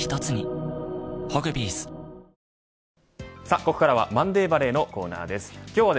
ここからはマンデーバレーのコーナーです。